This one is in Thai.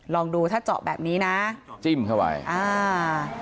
ลองดูถ้าเจาะแบบนี้นะจิ้มเข้าไปอ่า